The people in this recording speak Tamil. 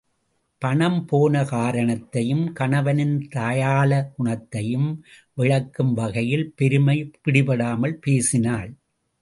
பணம் போன காரணத்தையும், கணவனின் தயாள குணத்தையும் விளக்கும் வகையில் பெருமை பிடிபடாமல் பேசினாள்.